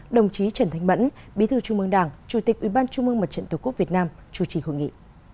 đồng chí trần thanh mẫn bí thư trung ương đảng chủ tịch ubndtqvn chủ trì hội nghị